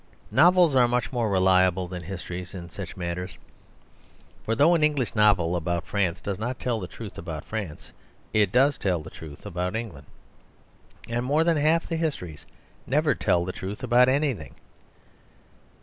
Novels are much more reliable than histories in such matters. For though an English novel about France does not tell the truth about France, it does tell the truth about England; and more than half the histories never tell the truth about anything.